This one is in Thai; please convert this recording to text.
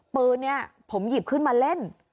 ปืนนี้ผมหยิบขึ้นมาเล่น